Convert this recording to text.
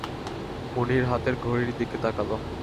মুনির হাতের ঘড়ির দিকে তাকাল।